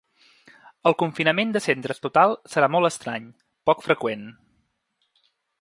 El confinament de centres total serà molt estrany, poc freqüent.